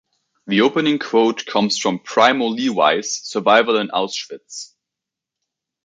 The opening quote comes from Primo Levi's "Survival in Auschwitz".